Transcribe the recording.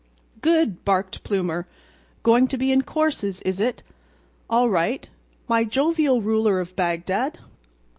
"Good!" barked Plumer; "going to be in courses, is it? All right, my jovial ruler of Bagdad.